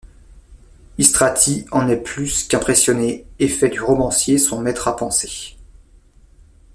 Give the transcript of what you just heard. Istrati en est plus qu'impressionné et fait du romancier son maître à penser.